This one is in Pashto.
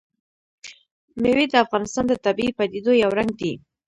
مېوې د افغانستان د طبیعي پدیدو یو رنګ دی.